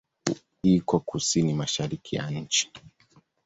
Iko kusini-mashariki ya nchi.